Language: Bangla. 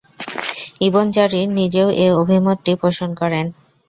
ইবন জারীর নিজেও এ অভিমতটি পোষণ করেন।